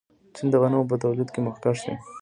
چین د غنمو په تولید کې مخکښ دی.